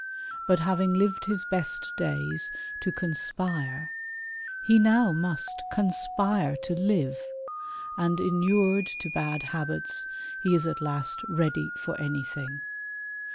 But having lived his best days to conspire, he now must " conspire to live," and inured to bad habits, he is at last ready for anything.